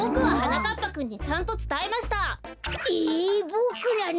ボクなの！？